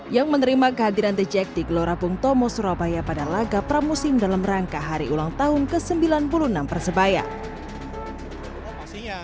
yang menerima kehadiran the jack di gelora bung tomo surabaya pada laga pramusim dalam rangka hari ulang tahun ke sembilan puluh enam persebaya